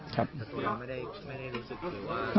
แต่ตัวนั้นไม่ได้รู้สึกหรือว่า